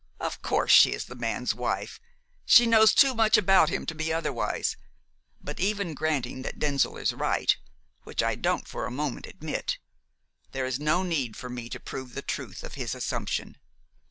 "Of course she is the man's wife! She knows too much about him to be otherwise; but even granting that Denzil is right which I don't for a moment admit there is no need for me to prove the truth of his assumption.